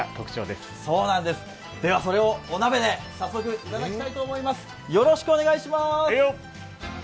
ではそれをお鍋で早速いただきたいと思います。